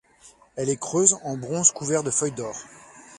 Elle est creuse en bronze couvert de feuilles d'or.